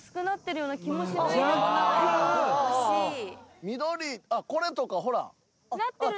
・若干・緑あっこれとかほら。